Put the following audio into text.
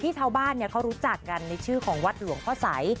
ชาวบ้านเขารู้จักกันในชื่อของวัดหลวงพ่อใส